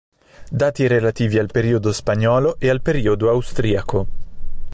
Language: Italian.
Dati relativi al periodo spagnolo e al periodo austriaco.